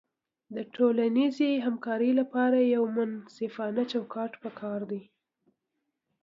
د ټولنیزې همکارۍ لپاره یو منصفانه چوکاټ پکار دی.